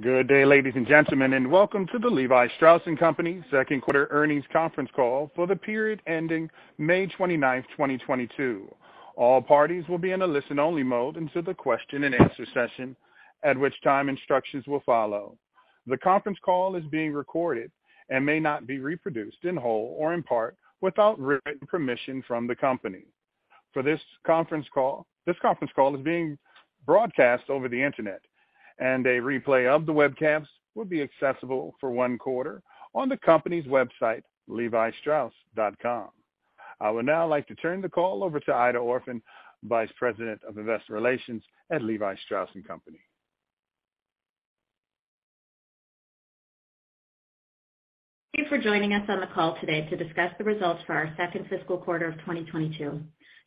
Good day, ladies and gentlemen, and welcome to the Levi Strauss & Co. second quarter earnings conference call for the period ending May 29, 2022. All parties will be in a listen-only mode until the question and answer session, at which time instructions will follow. The conference call is being recorded and may not be reproduced in whole or in part without written permission from the company. This conference call is being broadcast over the Internet, and a replay of the webcast will be accessible for one quarter on the company's website, levistrauss.com. I would now like to turn the call over to Aida Orphan, Vice President of Investor Relations at Levi Strauss & Co. Thank you for joining us on the call today to discuss the results for our second fiscal quarter of 2022.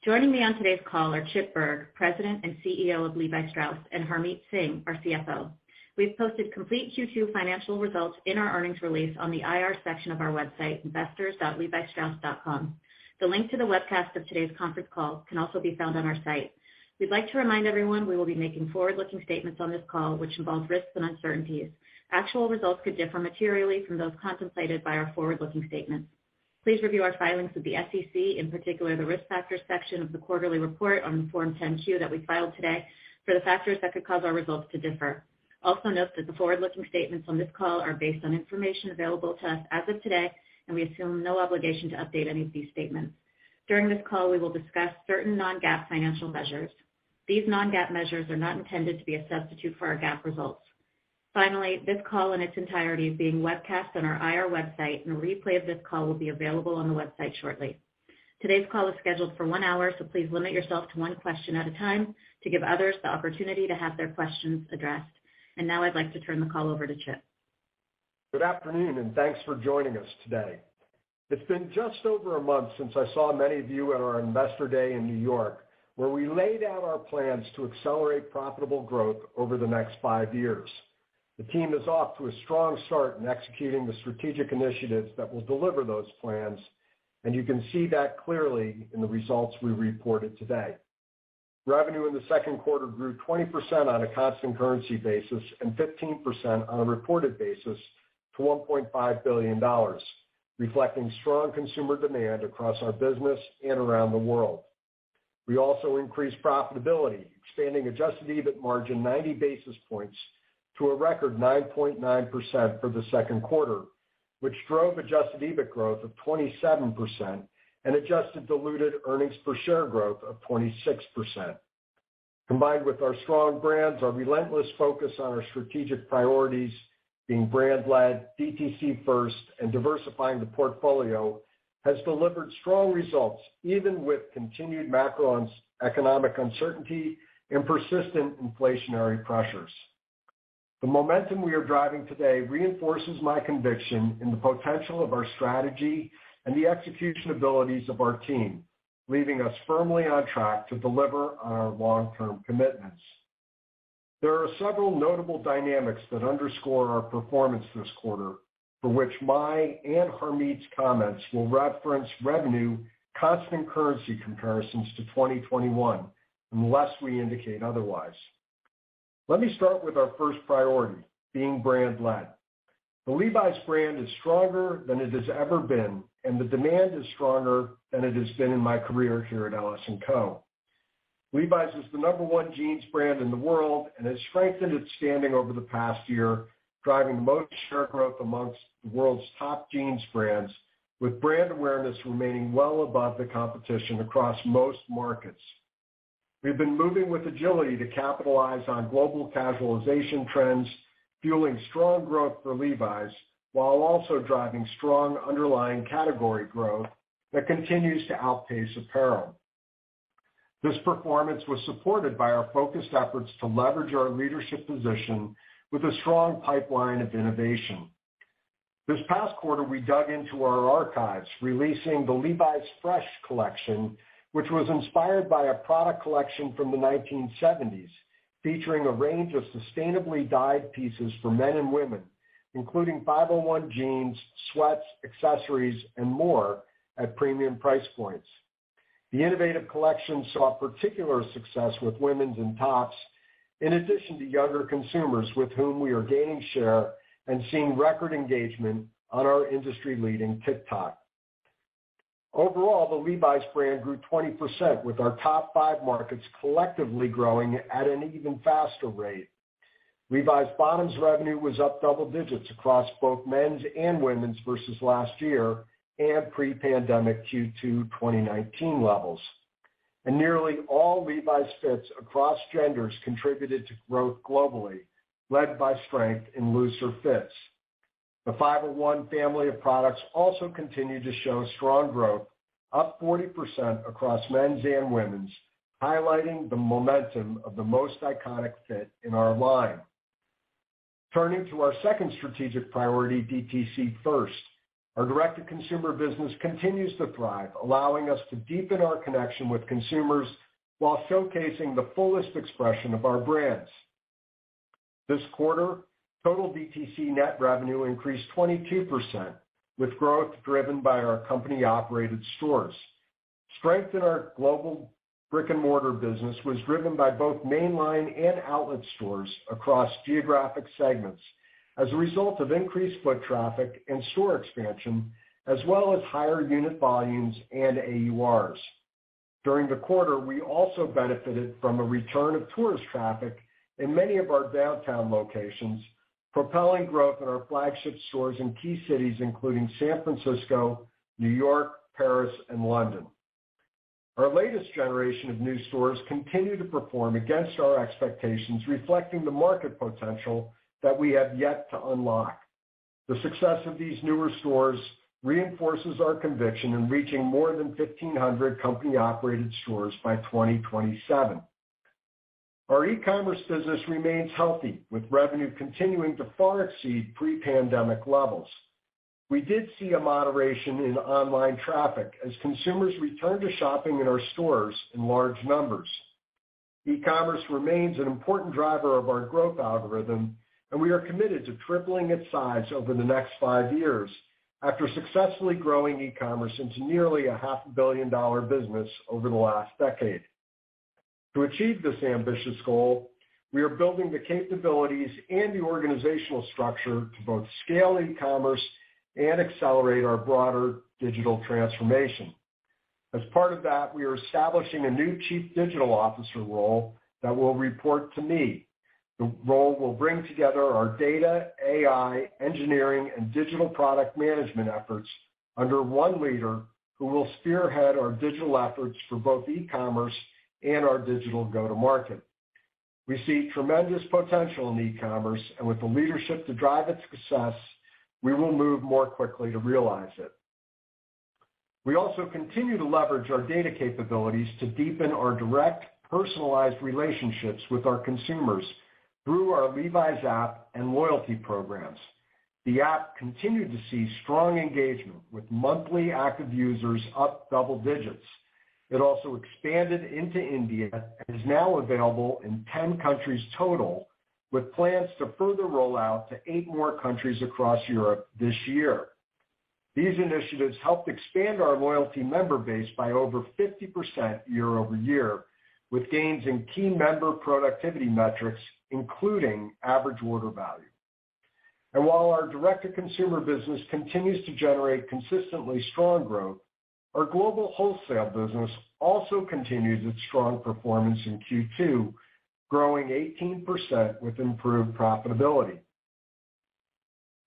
Joining me on today's call are Chip Bergh, President and CEO of Levi Strauss, and Harmit Singh, our CFO. We've posted complete Q2 financial results in our earnings release on the IR section of our website, investors.levistrauss.com. The link to the webcast of today's conference call can also be found on our site. We'd like to remind everyone we will be making forward-looking statements on this call, which involve risks and uncertainties. Actual results could differ materially from those contemplated by our forward-looking statements. Please review our filings with the SEC, in particular, the Risk Factors section of the quarterly report on Form 10-Q that we filed today, for the factors that could cause our results to differ. Also note that the forward-looking statements on this call are based on information available to us as of today, and we assume no obligation to update any of these statements. During this call, we will discuss certain non-GAAP financial measures. These non-GAAP measures are not intended to be a substitute for our GAAP results. Finally, this call in its entirety is being webcast on our IR website, and a replay of this call will be available on the website shortly. Today's call is scheduled for one hour, so please limit yourself to one question at a time to give others the opportunity to have their questions addressed. Now I'd like to turn the call over to Chip. Good afternoon, and thanks for joining us today. It's been just over a month since I saw many of you at our Investor Day in New York, where we laid out our plans to accelerate profitable growth over the next five years. The team is off to a strong start in executing the strategic initiatives that will deliver those plans, and you can see that clearly in the results we reported today. Revenue in the second quarter grew 20% on a constant currency basis and 15% on a reported basis to $1.5 billion, reflecting strong consumer demand across our business and around the world. We also increased profitability, expanding adjusted EBIT margin 90 basis points to a record 9.9% for the second quarter, which drove adjusted EBIT growth of 27% and adjusted diluted earnings per share growth of 26%. Combined with our strong brands, our relentless focus on our strategic priorities being brand led, DTC first, and diversifying the portfolio has delivered strong results, even with continued macro and economic uncertainty and persistent inflationary pressures. The momentum we are driving today reinforces my conviction in the potential of our strategy and the execution abilities of our team, leaving us firmly on track to deliver on our long-term commitments. There are several notable dynamics that underscore our performance this quarter, for which my and Harmit's comments will reference revenue constant currency comparisons to 2021, unless we indicate otherwise. Let me start with our first priority, being brand led. The Levi's brand is stronger than it has ever been, and the demand is stronger than it has been in my career here at Levi Strauss & Co. Levi's is the number one jeans brand in the world and has strengthened its standing over the past year, driving the most share growth amongst the world's top jeans brands, with brand awareness remaining well above the competition across most markets. We've been moving with agility to capitalize on global casualization trends, fueling strong growth for Levi's while also driving strong underlying category growth that continues to outpace apparel. This performance was supported by our focused efforts to leverage our leadership position with a strong pipeline of innovation. This past quarter, we dug into our archives, releasing the Levi's Fresh collection, which was inspired by a product collection from the 1970s, featuring a range of sustainably dyed pieces for men and women, including 501 jeans, sweats, accessories, and more at premium price points. The innovative collection saw particular success with women's and tops, in addition to younger consumers with whom we are gaining share and seeing record engagement on our industry-leading TikTok. Overall, the Levi's brand grew 20%, with our top five markets collectively growing at an even faster rate. Levi's bottoms revenue was up double digits across both men's and women's versus last year and pre-pandemic Q2 2019 levels. Nearly all Levi's fits across genders contributed to growth globally, led by strength in looser fits. The 501 family of products also continued to show strong growth, up 40% across men's and women's, highlighting the momentum of the most iconic fit in our line. Turning to our second strategic priority, DTC first, our direct-to-consumer business continues to thrive, allowing us to deepen our connection with consumers while showcasing the fullest expression of our brands. This quarter, total DTC net revenue increased 22%, with growth driven by our company-operated stores. Strength in our global brick-and-mortar business was driven by both mainline and outlet stores across geographic segments as a result of increased foot traffic and store expansion, as well as higher unit volumes and AURs. During the quarter, we also benefited from a return of tourist traffic in many of our downtown locations, propelling growth in our flagship stores in key cities including San Francisco, New York, Paris and London. Our latest generation of new stores continue to perform against our expectations, reflecting the market potential that we have yet to unlock. The success of these newer stores reinforces our conviction in reaching more than 1,500 company-operated stores by 2027. Our e-commerce business remains healthy, with revenue continuing to far exceed pre-pandemic levels. We did see a moderation in online traffic as consumers returned to shopping in our stores in large numbers. E-commerce remains an important driver of our growth algorithm, and we are committed to tripling its size over the next five years after successfully growing e-commerce into nearly a $0.5 billion business over the last decade. To achieve this ambitious goal, we are building the capabilities and the organizational structure to both scale e-commerce and accelerate our broader digital transformation. As part of that, we are establishing a new chief digital officer role that will report to me. The role will bring together our data, AI, engineering, and digital product management efforts under one leader who will spearhead our digital efforts for both e-commerce and our digital go-to-market. We see tremendous potential in e-commerce, and with the leadership to drive its success, we will move more quickly to realize it. We also continue to leverage our data capabilities to deepen our direct, personalized relationships with our consumers through our Levi's app and loyalty programs. The app continued to see strong engagement, with monthly active users up double digits. It also expanded into India and is now available in 10 countries total, with plans to further roll out to eight more countries across Europe this year. These initiatives helped expand our loyalty member base by over 50% year-over-year, with gains in key member productivity metrics, including average order value. While our direct-to-consumer business continues to generate consistently strong growth, our global wholesale business also continues its strong performance in Q2, growing 18% with improved profitability.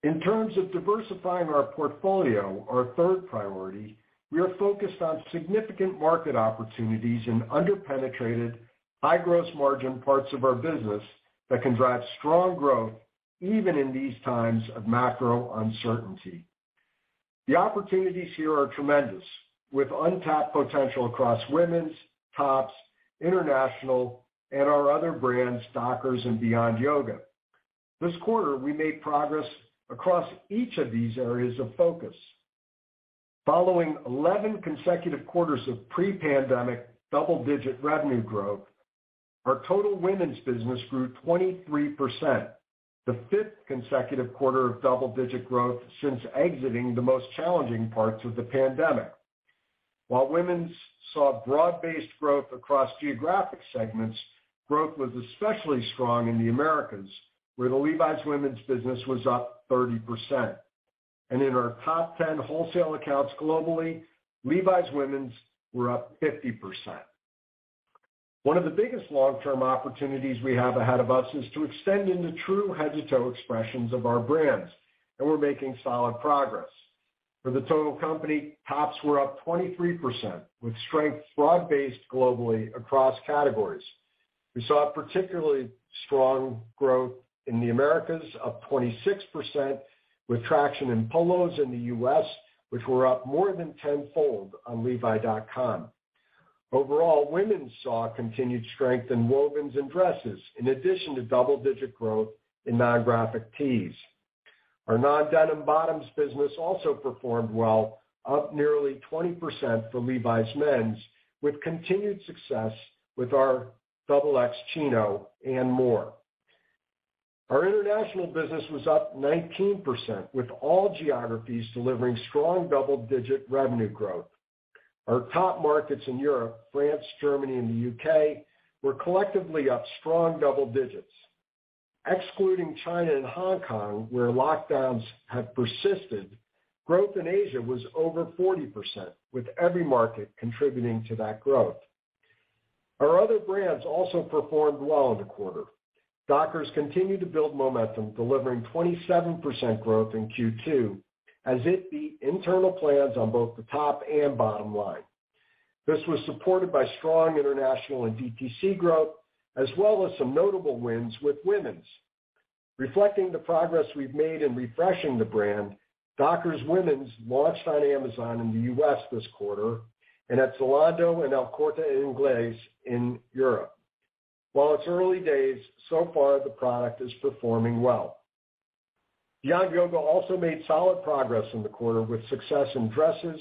In terms of diversifying our portfolio, our third priority, we are focused on significant market opportunities in under-penetrated, high gross margin parts of our business that can drive strong growth even in these times of macro uncertainty. The opportunities here are tremendous, with untapped potential across women's, tops, international, and our other brands, Dockers and Beyond Yoga. This quarter, we made progress across each of these areas of focus. Following 11 consecutive quarters of pre-pandemic double-digit revenue growth, our total women's business grew 23%, the fifth consecutive quarter of double-digit growth since exiting the most challenging parts of the pandemic. While women's saw broad-based growth across geographic segments, growth was especially strong in the Americas, where the Levi's women's business was up 30%. In our top ten wholesale accounts globally, Levi's women's were up 50%. One of the biggest long-term opportunities we have ahead of us is to extend into true head-to-toe expressions of our brands, and we're making solid progress. For the total company, tops were up 23%, with strength broad-based globally across categories. We saw particularly strong growth in the Americas, up 26%, with traction in polos in the U.S., which were up more than tenfold on levi.com. Overall, women's saw continued strength in wovens and dresses, in addition to double-digit growth in non-graphic tees. Our non-denim bottoms business also performed well, up nearly 20% for Levi's men's, with continued success with our XX Chino and more. Our international business was up 19%, with all geographies delivering strong double-digit revenue growth. Our top markets in Europe, France, Germany, and the U.K., were collectively up strong double digits. Excluding China and Hong Kong, where lockdowns have persisted, growth in Asia was over 40%, with every market contributing to that growth. Our other brands also performed well in the quarter. Dockers continued to build momentum, delivering 27% growth in Q2 as it beat internal plans on both the top and bottom line. This was supported by strong international and DTC growth, as well as some notable wins with women's. Reflecting the progress we've made in refreshing the brand, Dockers women's launched on Amazon in the U.S. this quarter and at Zalando and El Corte Inglés in Europe. While it's early days, so far the product is performing well. Beyond Yoga also made solid progress in the quarter with success in dresses,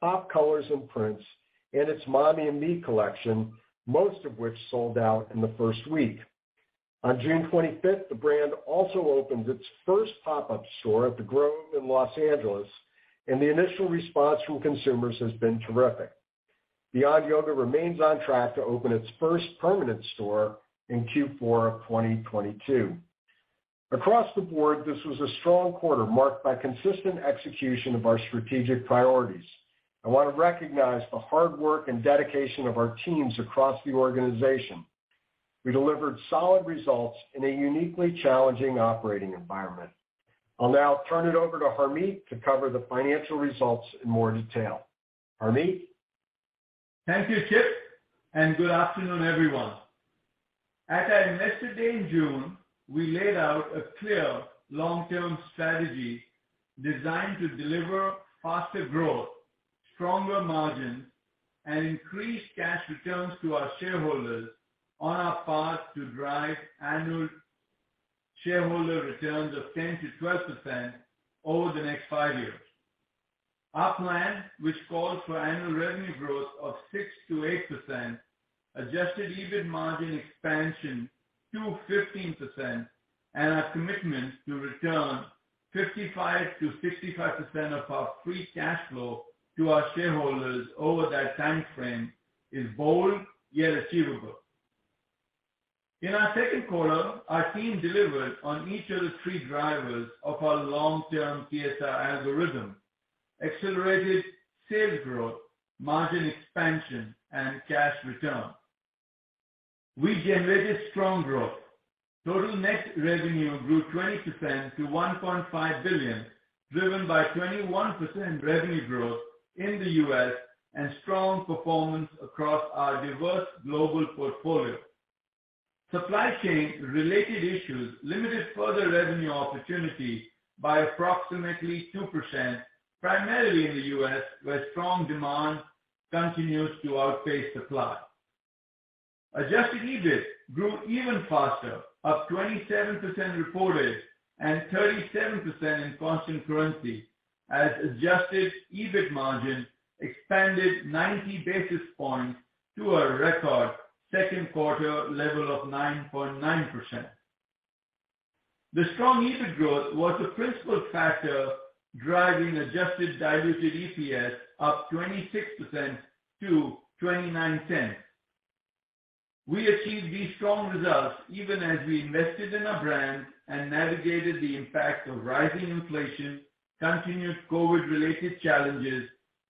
top colors and prints, and its Mommy & Me collection, most of which sold out in the first week. On June 25th, the brand also opened its first pop-up store at The Grove in Los Angeles, and the initial response from consumers has been terrific. Beyond Yoga remains on track to open its first permanent store in Q4 of 2022. Across the board, this was a strong quarter marked by consistent execution of our strategic priorities. I wanna recognize the hard work and dedication of our teams across the organization. We delivered solid results in a uniquely challenging operating environment. I'll now turn it over to Harmit to cover the financial results in more detail. Harmit? Thank you, Chip, and good afternoon, everyone. At our Investor Day in June, we laid out a clear long-term strategy designed to deliver faster growth, stronger margins, and increase cash returns to our shareholders on our path to drive annual shareholder returns of 10%-12% over the next five years. Our plan, which calls for annual revenue growth of 6%-8%, adjusted EBIT margin expansion to 15%, and our commitment to return 55%-65% of our Free Cash Flow to our shareholders over that timeframe is bold yet achievable. In our second quarter, our team delivered on each of the three drivers of our long-term PSI algorithm, accelerated sales growth, margin expansion, and cash return. We generated strong growth. Total net revenue grew 20% to $1.5 billion, driven by 21% revenue growth in the U.S. and strong performance across our diverse global portfolio. Supply chain related issues limited further revenue opportunities by approximately 2%, primarily in the U.S., where strong demand continues to outpace supply. Adjusted EBIT grew even faster, up 27% reported and 37% in constant currency as adjusted EBIT margin expanded 90 basis points to a record second quarter level of 9.9%. The strong EBIT growth was the principal factor driving adjusted diluted EPS up 26% to $0.29. We achieved these strong results even as we invested in our brand and navigated the impact of rising inflation, continuous COVID related challenges,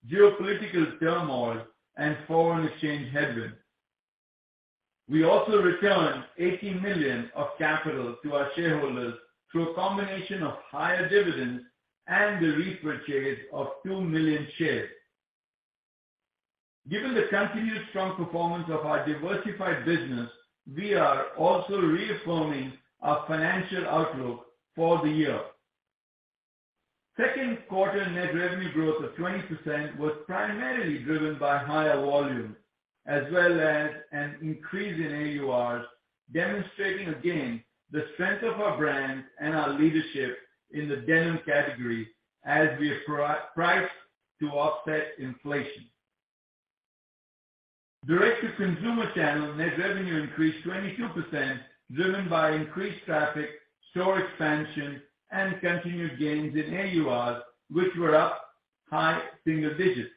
geopolitical turmoil, and foreign exchange headwinds. We also returned $80 million of capital to our shareholders through a combination of higher dividends and the repurchase of 2 million shares. Given the continued strong performance of our diversified business, we are also reaffirming our financial outlook for the year. Second quarter net revenue growth of 20% was primarily driven by higher volume as well as an increase in AURs, demonstrating again the strength of our brand and our leadership in the denim category as we priced to offset inflation. Direct-to-consumer channel net revenue increased 22%, driven by increased traffic, store expansion, and continued gains in AURs, which were up high single digits.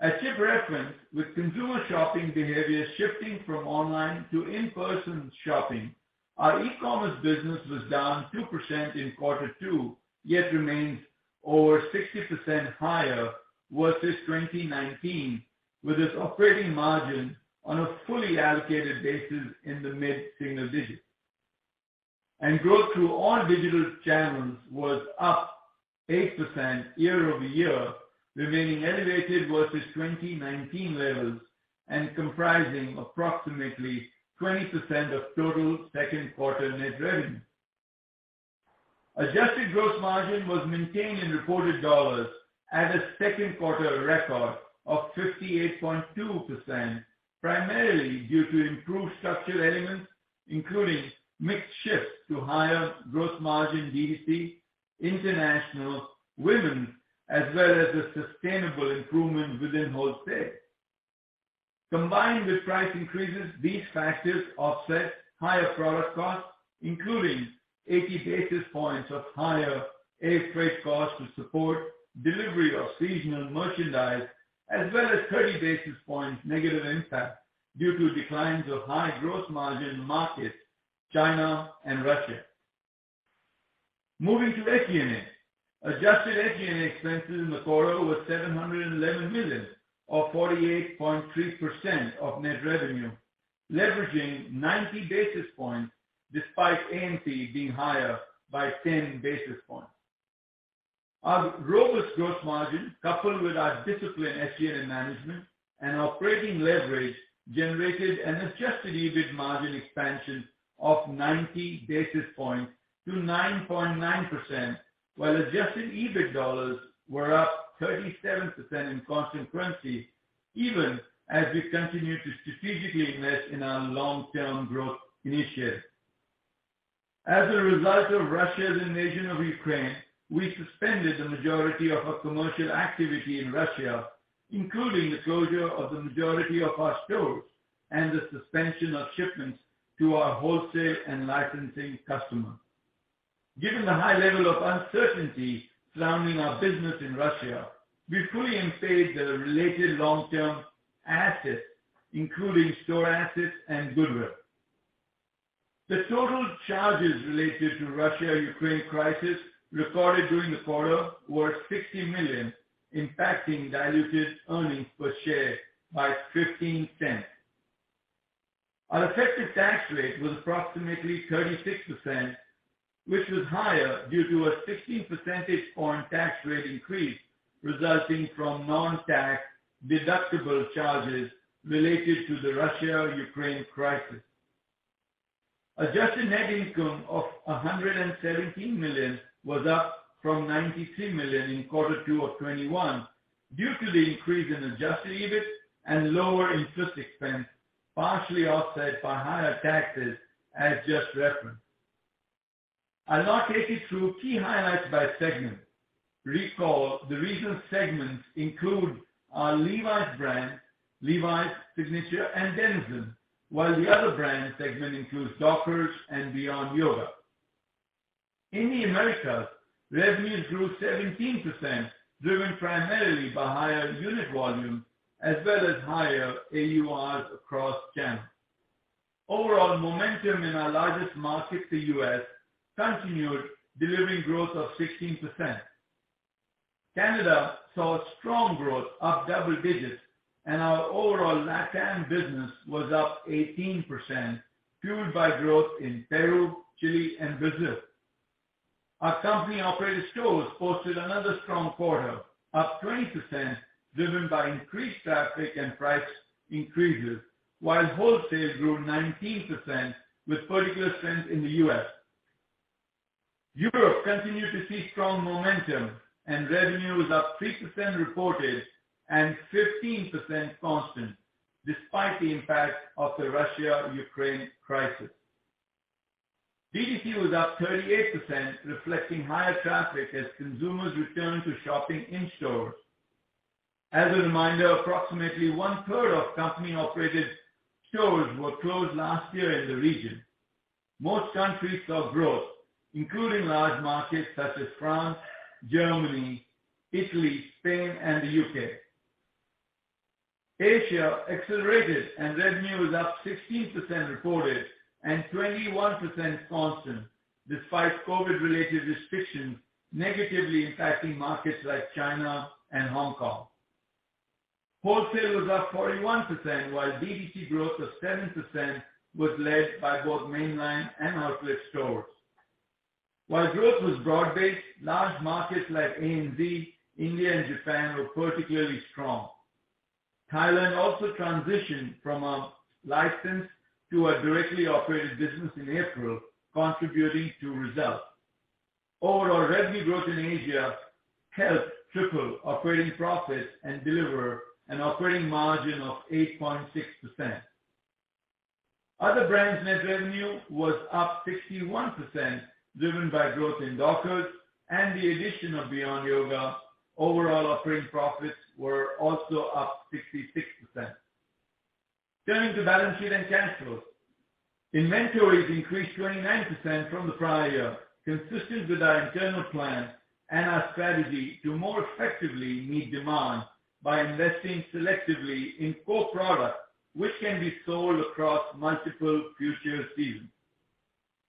As Chip referenced, with consumer shopping behavior shifting from online to in-person shopping, our e-commerce business was down 2% in quarter two, yet remains over 60% higher versus 2019, with its operating margin on a fully allocated basis in the mid-single digits. Growth through all digital channels was up 8% year-over-year, remaining elevated versus 2019 levels and comprising approximately 20% of total second quarter net revenue. Adjusted gross margin was maintained in reported dollars at a second quarter record of 58.2%, primarily due to improved structural elements, including mix shift to higher gross margin D2C, international, women, as well as the sustainable improvement within wholesale. Combined with price increases, these factors offset higher product costs, including 80 basis points of higher air freight costs to support delivery of seasonal merchandise, as well as 30 basis points negative impact due to declines of high gross margin markets, China and Russia. Moving to SG&A. Adjusted SG&A expenses in the quarter was $711 million or 48.3% of net revenue, leveraging 90 basis points despite AMP being higher by 10 basis points. Our robust gross margin coupled with our disciplined SG&A management and operating leverage generated an adjusted EBIT margin expansion of 90 basis points to 9.9%, while adjusted EBIT dollars were up 37% in constant currency even as we continue to strategically invest in our long-term growth initiatives. As a result of Russia's invasion of Ukraine, we suspended the majority of our commercial activity in Russia, including the closure of the majority of our stores and the suspension of shipments to our wholesale and licensing customers. Given the high level of uncertainty surrounding our business in Russia, we fully impaired the related long-term assets, including store assets and goodwill. The total charges related to Russia/Ukraine crisis recorded during the quarter were $60 million, impacting diluted earnings per share by $0.15. Our effective tax rate was approximately 36%, which was higher due to a 16 percentage point tax rate increase resulting from non-tax-deductible charges related to the Russia/Ukraine crisis. Adjusted net income of $117 million was up from $93 million in quarter two of 2021 due to the increase in adjusted EBIT and lower interest expense, partially offset by higher taxes as just referenced. I'll now take you through key highlights by segment. Recall the regional segments include our Levi's brand, Levi's Signature and Denizen, while the Other Brand segment includes Dockers and Beyond Yoga. In the Americas, revenues grew 17%, driven primarily by higher unit volume as well as higher AURs across channels. Overall momentum in our largest market, the U.S., continued delivering growth of 16%. Canada saw strong growth up double digits, and our overall LatAm business was up 18%, fueled by growth in Peru, Chile and Brazil. Our company-operated stores posted another strong quarter, up 20% driven by increased traffic and price increases, while wholesale grew 19% with particular strength in the U.S. Europe continued to see strong momentum and revenue was up 3% reported and 15% constant, despite the impact of the Russia-Ukraine crisis. DTC was up 38%, reflecting higher traffic as consumers returned to shopping in stores. As a reminder, approximately one-third of company-operated stores were closed last year in the region. Most countries saw growth, including large markets such as France, Germany, Italy, Spain and the U.K. Asia accelerated and revenue was up 16% reported and 21% constant, despite COVID-related restrictions negatively impacting markets like China and Hong Kong. Wholesale was up 41%, while DTC growth of 7% was led by both mainline and outlet stores. While growth was broad-based, large markets like ANZ, India and Japan were particularly strong. Thailand also transitioned from a licensed to a directly operated business in April, contributing to results. Overall revenue growth in Asia helped triple operating profits and deliver an operating margin of 8.6%. Other brands net revenue was up 61%, driven by growth in Dockers and the addition of Beyond Yoga. Overall operating profits were also up 66%. Turning to balance sheet and cash flows. Inventories increased 29% from the prior year, consistent with our internal plan and our strategy to more effectively meet demand by investing selectively in core products which can be sold across multiple future seasons.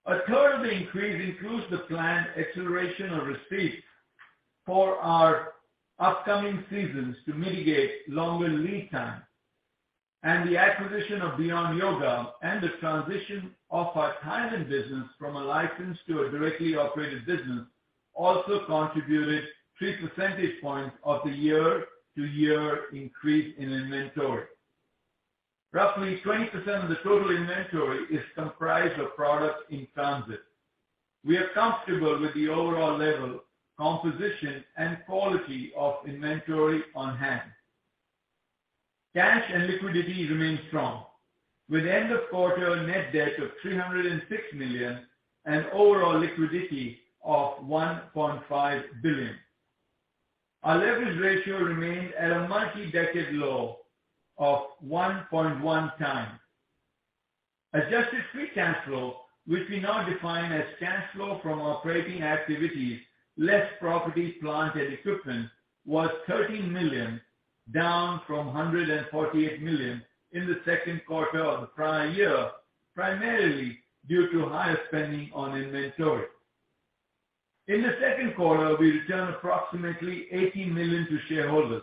A third of the increase includes the planned acceleration of receipts for our upcoming seasons to mitigate longer lead times. The acquisition of Beyond Yoga and the transition of our Thailand business from a licensed to a directly operated business also contributed 3 percentage points of the year-to-year increase in inventory. Roughly 20% of the total inventory is comprised of products in transit. We are comfortable with the overall level, composition and quality of inventory on hand. Cash and liquidity remain strong with end-of-quarter net debt of $306 million and overall liquidity of $1.5 billion. Our leverage ratio remains at a multi-decade low of 1.1x. Adjusted Free Cash Flow, which we now define as cash flow from operating activities less property, plant and equipment, was $13 million, down from $148 million in the second quarter of the prior year, primarily due to higher spending on inventory. In the second quarter, we returned approximately $80 million to shareholders.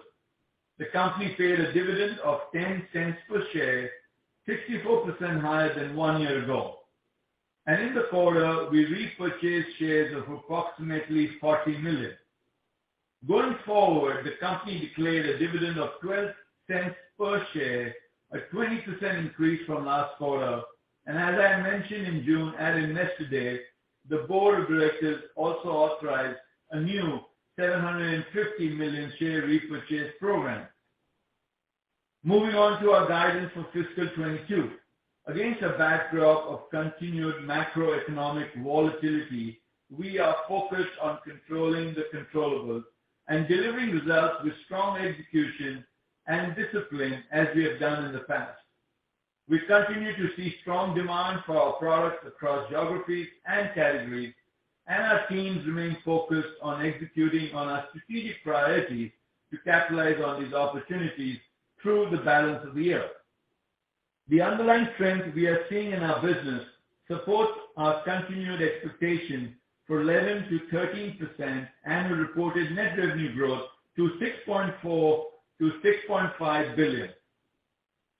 The company paid a dividend of $0.10 per share, 64% higher than one year ago. In the quarter, we repurchased shares of approximately $40 million. Going forward, the company declared a dividend of $0.12 per share, a 20% increase from last quarter. As I mentioned in June and Investor Day today, the board of directors also authorized a new $750 million share repurchase program. Moving on to our guidance for fiscal 2022. Against a backdrop of continued macroeconomic volatility, we are focused on controlling the controllable and delivering results with strong execution and discipline as we have done in the past. We continue to see strong demand for our products across geographies and categories, and our teams remain focused on executing on our strategic priorities to capitalize on these opportunities through the balance of the year. The underlying trends we are seeing in our business support our continued expectation for 11%-13% annual reported net revenue growth to $6.4 billion-$6.5 billion.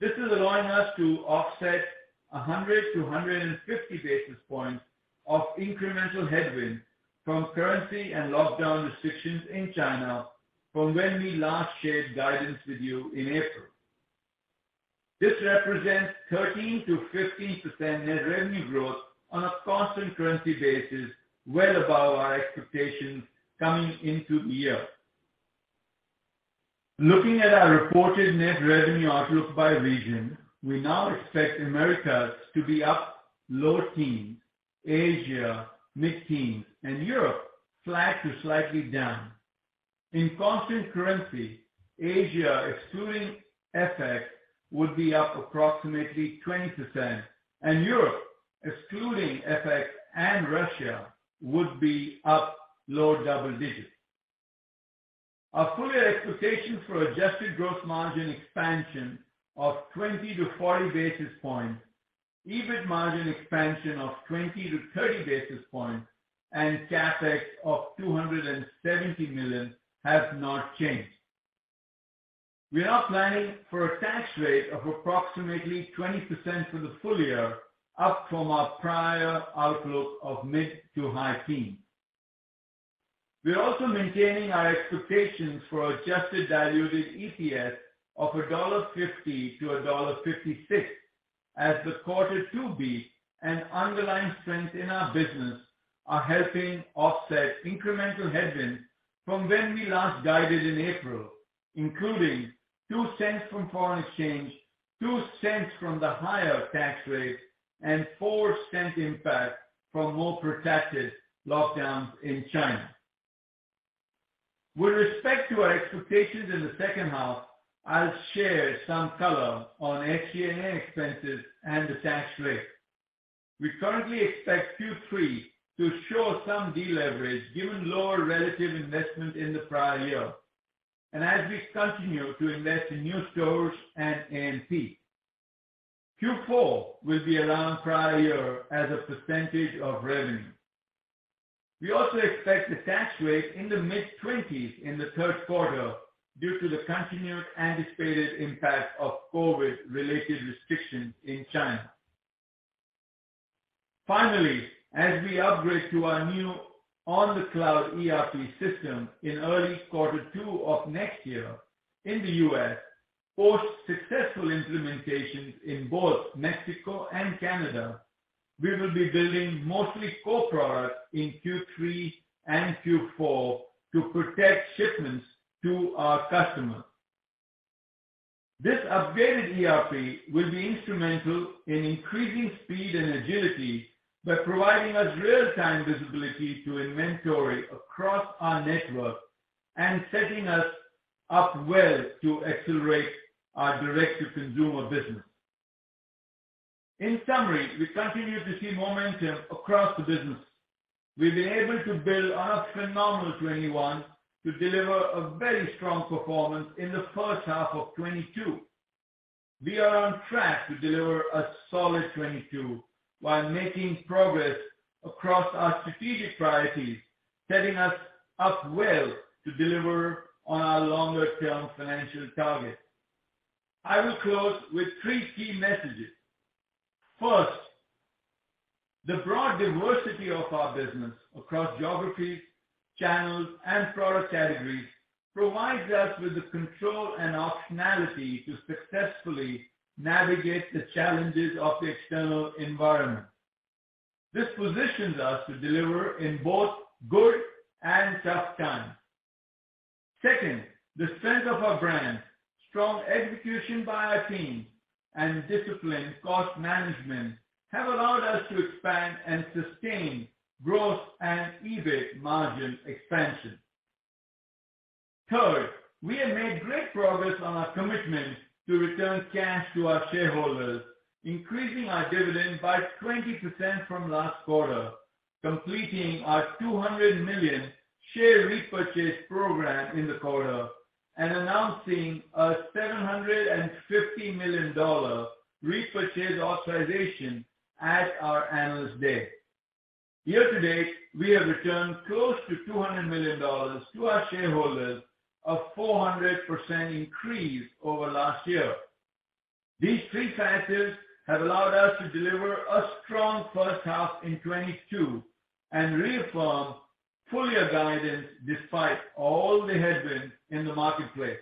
This is allowing us to offset 100 basis points-150 basis points of incremental headwind from currency and lockdown restrictions in China from when we last shared guidance with you in April. This represents 13%-15% net revenue growth on a constant-currency basis, well above our expectations coming into the year. Looking at our reported net revenue outlook by region, we now expect Americas to be up low teens percentage, Asia mid-teens percentage, and Europe flat to slightly down. In constant currency, Asia excluding FX would be up approximately 20% and Europe excluding FX and Russia would be up low double digits percentage. Our full-year expectations for adjusted gross margin expansion of 20 basis points-40 basis points, EBIT margin expansion of 20 basis points-30 basis points, and CapEx of $270 million have not changed. We are now planning for a tax rate of approximately 20% for the full year, up from our prior outlook of mid- to high-teens percentage. We are also maintaining our expectations for adjusted diluted EPS of $1.50-$1.56 for the quarter, as the underlying strength in our business is helping offset incremental headwind from when we last guided in April, including $0.02 from foreign exchange, $0.02 from the higher tax rate, and $0.04 impact from more protracted lockdowns in China. With respect to our expectations in the second half, I'll share some color on SG&A expenses and the tax rate. We currently expect Q3 to show some deleverage given lower relative investment in the prior year and as we continue to invest in new stores and AMP. Q4 will be around prior year as a percentage of revenue. We also expect the tax rate in the mid-20s% in the third quarter due to the continued anticipated impact of COVID-related restrictions in China. Finally, as we upgrade to our new on-the-cloud ERP system in early quarter two of next year in the U.S., post successful implementations in both Mexico and Canada, we will be building mostly core products in Q3 and Q4 to protect shipments to our customers. This upgraded ERP will be instrumental in increasing speed and agility by providing us real-time visibility to inventory across our network and setting us up well to accelerate our direct-to-consumer business. In summary, we continue to see momentum across the business. We've been able to build on a phenomenal 2021 to deliver a very strong performance in the first half of 2022. We are on track to deliver a solid 2022 while making progress across our strategic priorities, setting us well to deliver on our longer-term financial targets. I will close with three key messages. First, the broad diversity of our business across geographies, channels, and product categories provides us with the control and optionality to successfully navigate the challenges of the external environment. This positions us to deliver in both good and tough times. Second, the strength of our brands, strong execution by our teams, and disciplined cost management have allowed us to expand and sustain gross and EBIT margin expansion. Third, we have made great progress on our commitment to return cash to our shareholders, increasing our dividend by 20% from last quarter, completing our 200 million share repurchase program in the quarter, and announcing a $750 million repurchase authorization at our Investor Day. Year to date, we have returned close to $200 million to our shareholders, a 400% increase over last year. These three factors have allowed us to deliver a strong first half in 2022 and reaffirm full-year guidance despite all the headwinds in the marketplace.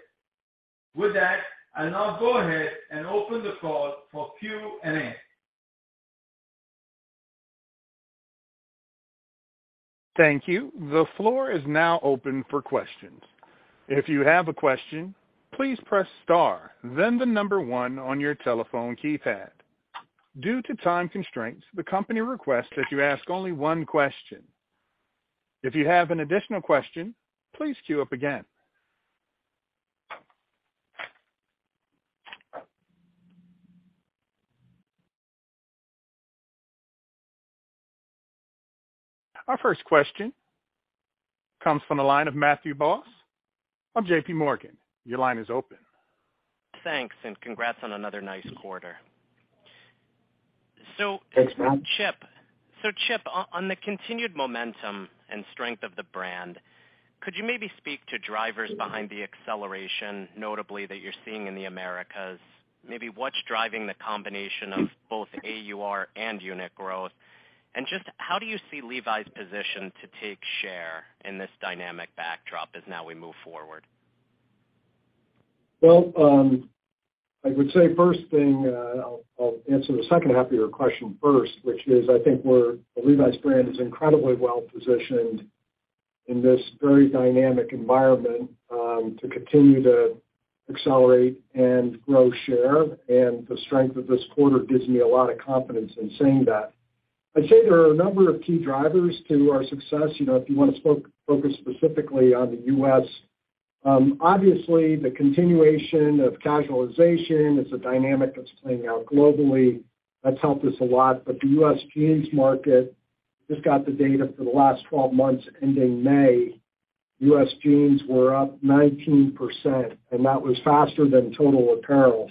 With that, I'll now go ahead and open the call for Q&A. Thank you. The floor is now open for questions. If you have a question, please press star, then the number one on your telephone keypad. Due to time constraints, the company requests that you ask only one question. If you have an additional question, please queue up again. Our first question comes from the line of Matthew Boss of JPMorgan. Your line is open. Thanks and congrats on another nice quarter. Thanks, Matt. Chip, on the continued momentum and strength of the brand, could you maybe speak to drivers behind the acceleration, notably that you're seeing in the Americas? Maybe what's driving the combination of both AUR and unit growth? Just how do you see Levi's position to take share in this dynamic backdrop as now we move forward? I would say first thing, I'll answer the second half of your question first, which is I think the Levi's brand is incredibly well positioned in this very dynamic environment to continue to accelerate and grow share. The strength of this quarter gives me a lot of confidence in saying that. I'd say there are a number of key drivers to our success, you know, if you wanna focus specifically on the U.S. Obviously, the continuation of casualization is a dynamic that's playing out globally. That's helped us a lot. The U.S. jeans market just got the data for the last 12 months ending May. U.S. jeans were up 19%, and that was faster than total apparel.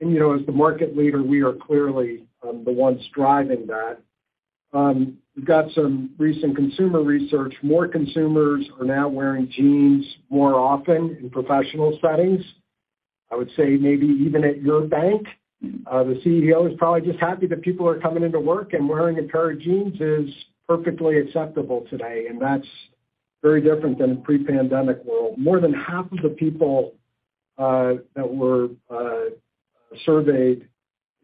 You know, as the market leader, we are clearly the ones driving that. We've got some recent consumer research. More consumers are now wearing jeans more often in professional settings. I would say maybe even at your bank, the CEO is probably just happy that people are coming into work and wearing a pair of jeans is perfectly acceptable today, and that's very different than a pre-pandemic world. More than half of the people that were surveyed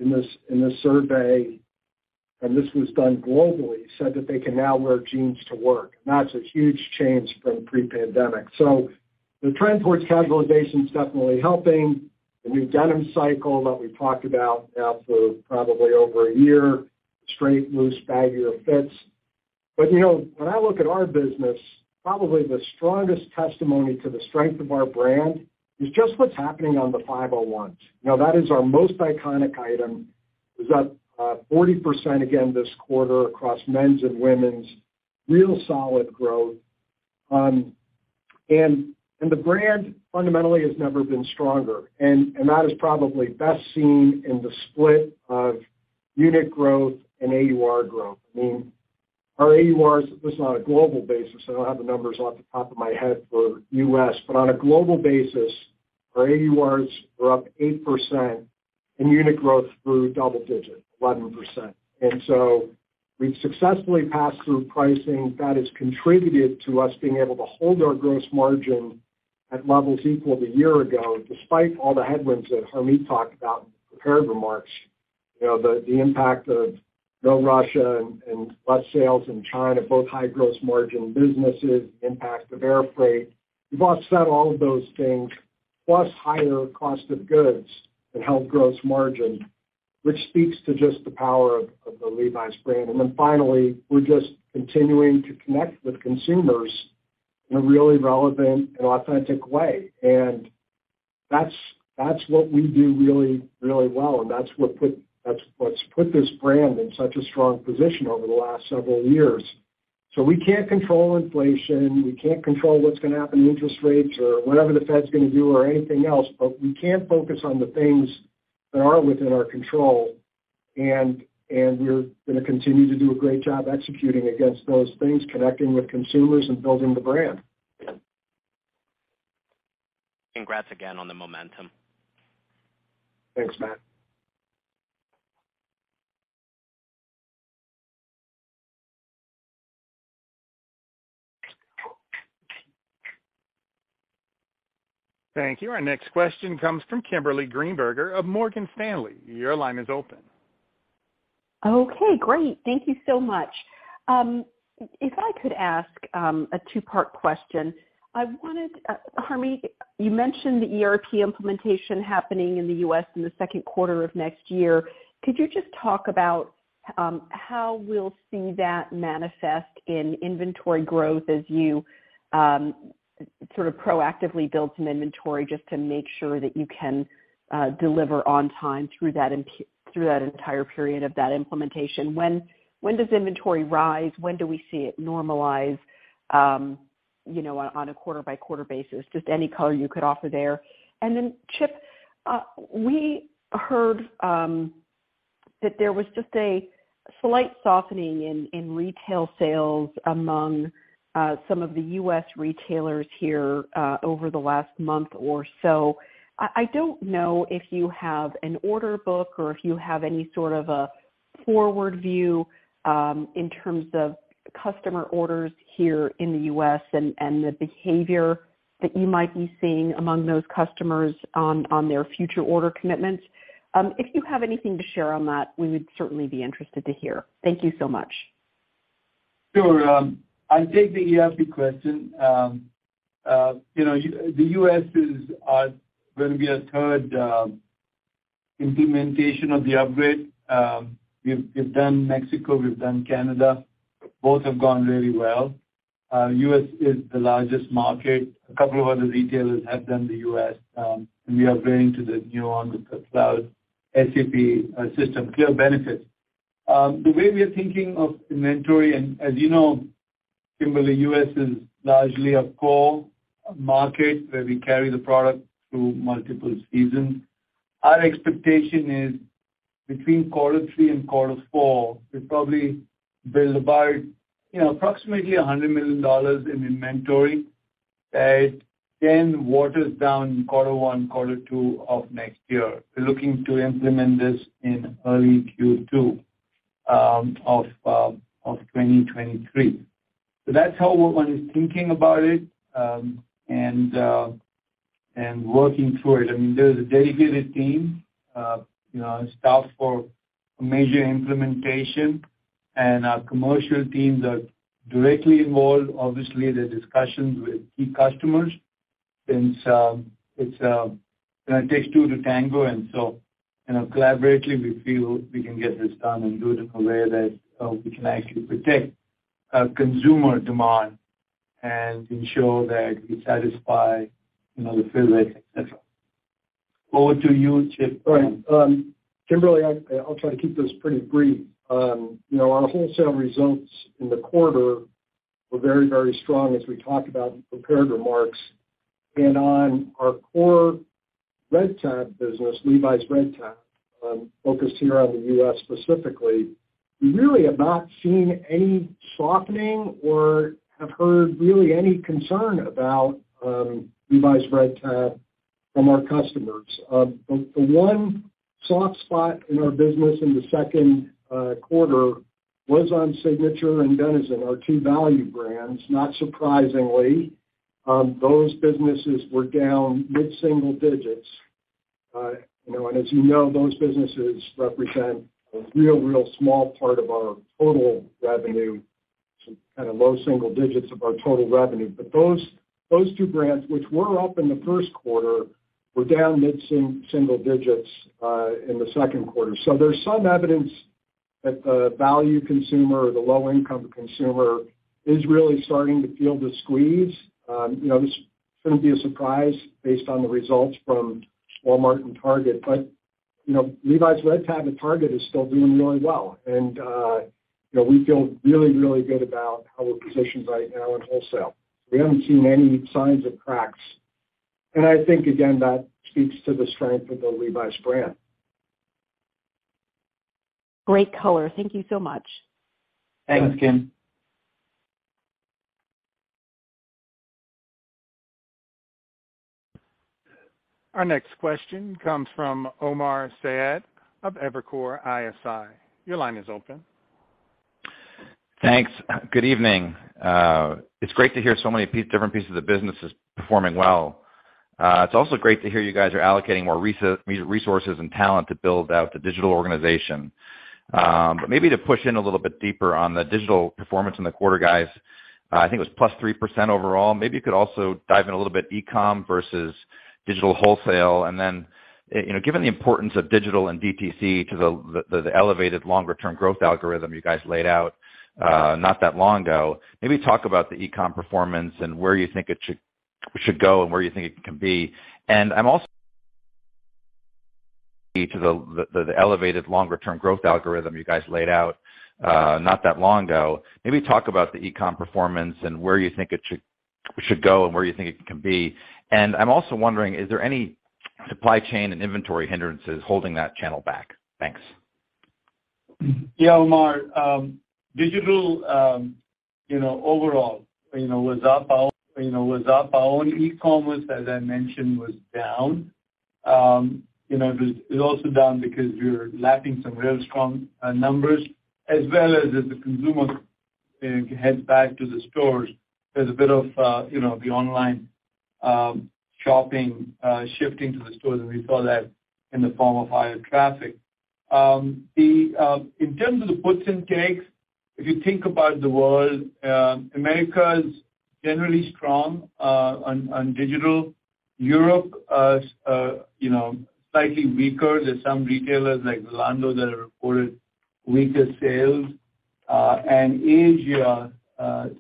in this survey, and this was done globally, said that they can now wear jeans to work. That's a huge change from pre-pandemic. The trend towards casualization is definitely helping. The new denim cycle that we talked about now for probably over a year, straight, loose, baggier fits. You know, when I look at our business, probably the strongest testimony to the strength of our brand is just what's happening on the 501s. Now, that is our most iconic item. It was up 40% again this quarter across men's and women's. Real solid growth. The brand fundamentally has never been stronger, and that is probably best seen in the split of unit growth and AUR growth. I mean, our AURs, at least on a global basis, I don't have the numbers off the top of my head for U.S. On a global basis, our AURs were up 8% and unit growth grew double-digit 11%. We've successfully passed through pricing that has contributed to us being able to hold our gross margin at levels equal to a year ago, despite all the headwinds that Harmit talked about in prepared remarks. You know, the impact of no Russia and less sales in China, both high gross margin businesses, impact of air freight. We've offset all of those things, plus higher cost of goods and held gross margin, which speaks to just the power of the Levi's brand. Then finally, we're just continuing to connect with consumers in a really relevant and authentic way. That's what we do really, really well, and that's what's put this brand in such a strong position over the last several years. We can't control inflation, we can't control what's gonna happen in interest rates or whatever the Fed's gonna do or anything else, but we can focus on the things that are within our control, and we're gonna continue to do a great job executing against those things, connecting with consumers and building the brand. Congrats again on the momentum. Thanks, Matt. Thank you. Our next question comes from Kimberly Greenberger of Morgan Stanley. Your line is open. Okay, great. Thank you so much. If I could ask a two-part question. I wanted, Harmit, you mentioned the ERP implementation happening in the U.S. in the second quarter of next year. Could you just talk about how we'll see that manifest in inventory growth as you sort of proactively build some inventory just to make sure that you can deliver on time through that entire period of that implementation? When does inventory rise? When do we see it normalize, on a quarter-by-quarter basis? Just any color you could offer there. Then, Chip, we heard that there was just a slight softening in retail sales among some of the U.S. retailers here over the last month or so. I don't know if you have an order book or if you have any sort of a forward view, in terms of customer orders here in the U.S. and the behavior that you might be seeing among those customers on their future order commitments. If you have anything to share on that, we would certainly be interested to hear. Thank you so much. Sure. I'll take the ERP question. You know, the U.S. is gonna be a third implementation of the upgrade. We've done Mexico, we've done Canada. Both have gone really well. U.S. is the largest market. A couple of other retailers have done the U.S., and we are bringing to the new one with the cloud SAP system. Clear benefits. The way we are thinking of inventory, and as you know, Kimberly, U.S. is largely a core market where we carry the product through multiple seasons. Our expectation is between quarter three and quarter four, we'll probably build about, you know, approximately $100 million in inventory that then waters down quarter one, quarter two of next year. We're looking to implement this in early Q2 of 2023. That's how one is thinking about it and working through it. I mean, there's a dedicated team, staffed for a major implementation and our commercial teams are directly involved, obviously the discussions with key customers since it takes two to tango. Collaboratively we feel we can get this done and do it in a way that we can actually protect consumer demand and ensure that we satisfy the fill rate, et cetera. Over to you, Chip. All right. Kimberly, I'll try to keep this pretty brief. You know, our wholesale results in the quarter were very, very strong as we talked about in prepared remarks. On our core Red Tab business, Levi's Red Tab, focused here on the U.S. specifically, we really have not seen any softening or have heard really any concern about Levi's Red Tab from our customers. The one soft spot in our business in the second quarter was on Signature and Denizen, our two value brands, not surprisingly. Those businesses were down mid-single digits. You know, and as you know, those businesses represent a real small part of our total revenue, some kind of low single digits of our total revenue. Those two brands, which were up in the first quarter, were down mid-single digits in the second quarter. There's some evidence that the value consumer or the low income consumer is really starting to feel the squeeze. You know, this shouldn't be a surprise based on the results from Walmart and Target, but, Levi's Red Tab at Target is still doing really well. We feel really, really good about how we're positioned right now in wholesale. We haven't seen any signs of cracks. I think again, that speaks to the strength of the Levi's brand. Great color. Thank you so much. Thanks, Kim. Our next question comes from Omar Saad of Evercore ISI. Your line is open. Thanks. Good evening. It's great to hear so many different pieces of the business is performing well. It's also great to hear you guys are allocating more resources and talent to build out the digital organization. But maybe to push in a little bit deeper on the digital performance in the quarter guys, I think it was +3% overall. Maybe you could also dive in a little bit e-com versus digital wholesale. Then, you know, given the importance of digital and DTC to the elevated longer term growth algorithm you guys laid out, not that long ago, maybe talk about the e-com performance and where you think it should go and where you think it can be. I'm also... To the elevated longer term growth algorithm you guys laid out, not that long ago. Maybe talk about the e-com performance and where you think it should go and where you think it can be. I'm also wondering, is there any supply chain and inventory hindrances holding that channel back? Thanks. Yeah, Omar. Digital, overall, was up. Our own e-commerce, as I mentioned, was down. You know, it was also down because we were lapping some real strong numbers as well as the consumer heads back to the stores. There's a bit of, the online shopping shifting to the stores, and we saw that in the form of higher traffic. In terms of the puts and takes, if you think about the world, America is generally strong on digital. Europe, slightly weaker. There's some retailers like Zalando that have reported weaker sales. Asia,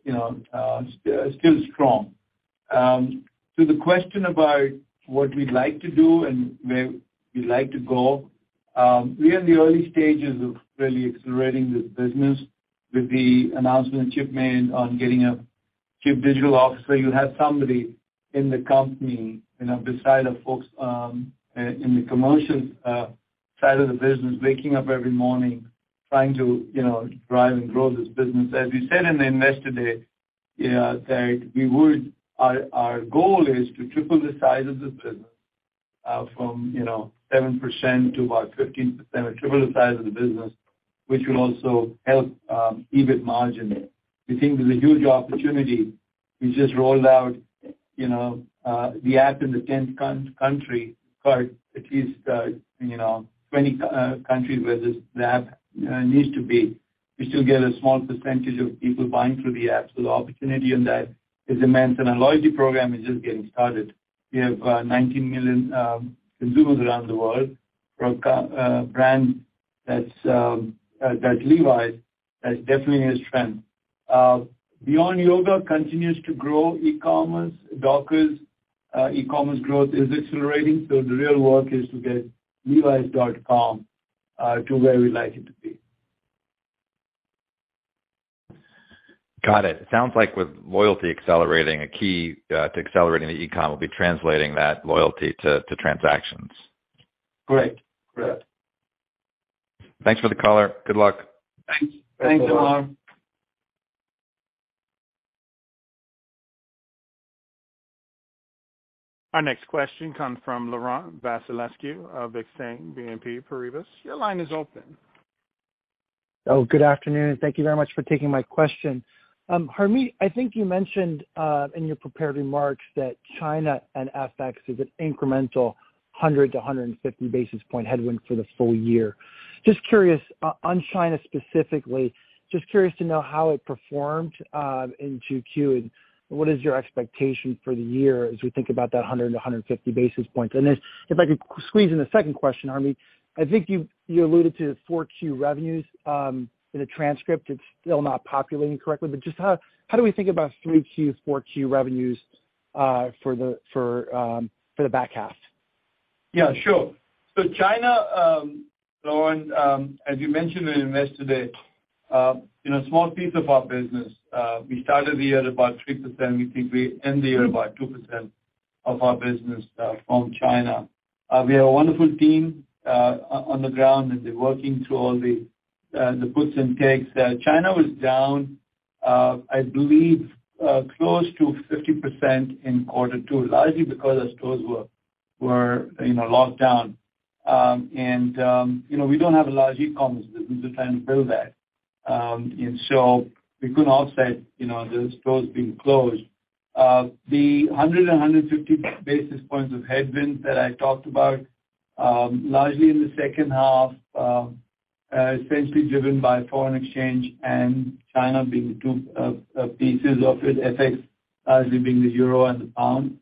still strong. To the question about what we'd like to do and where we'd like to go, we are in the early stages of really accelerating this business with the announcement Chip made on getting a Chief Digital Officer. You have somebody in the company, besides the folks in the commercial side of the business, waking up every morning trying to, drive and grow this business. As we said in the Investor Day, that our goal is to triple the size of this business. From, 7% to about 15% or triple the size of the business, which will also help EBIT margin. We think there's a huge opportunity. We just rolled out the app in the tenth country, but at least 20 countries where the app needs to be. We still get a small percentage of people buying through the app. The opportunity on that is immense, and our loyalty program is just getting started. We have 19 million consumers around the world for a brand that's that Levi's definitely has strength. Beyond Yoga continues to grow e-commerce. Dockers e-commerce growth is accelerating. The real work is to get levi.com to where we like it to be. Got it. Sounds like with loyalty accelerating, a key to accelerating the e-com will be translating that loyalty to transactions. Correct. Thanks for the color. Good luck. Thanks a lot. Our next question comes from Laurent Vasilescu of Exane BNP Paribas. Your line is open. Good afternoon, and thank you very much for taking my question. Harmit, I think you mentioned in your prepared remarks that China and FX is an incremental 100 basis points-150 basis point headwind for the full year. Just curious on China specifically to know how it performed in 2Q and what is your expectation for the year as we think about that 100 basis points-150 basis points. If I could squeeze in a second question, Harmit, I think you alluded to 4Q revenues in a transcript. It's still not populating correctly. But just how do we think about 3Q, 4Q revenues for the back half? Yeah, sure. China, Laurent, as you mentioned in Investor Day, you know, small piece of our business. We started the year about 3%. We think we end the year about 2% of our business from China. We have a wonderful team on the ground, and they're working through all the puts and takes. China was down, I believe, close to 50% in quarter two, largely because our stores were, locked down. We don't have a large e-commerce business. We're trying to build that. We couldn't offset, you know, the stores being closed. The 100 basis points-150 basis points of headwind that I talked about, largely in the second half, essentially driven by foreign exchange and China being the two pieces of it. FX largely being the euro and the pound.